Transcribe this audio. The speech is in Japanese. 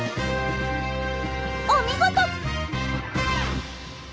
お見事！